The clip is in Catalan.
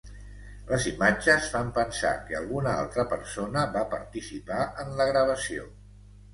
Les imatges fan pensar que alguna altra persona va participar en la gravació.